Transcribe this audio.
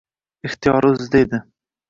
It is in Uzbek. Ixtiyori o`zida edi